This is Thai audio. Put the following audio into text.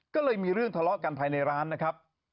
ก็เลยมีเรื่องทะเลาะกันภายในร้านนะครับ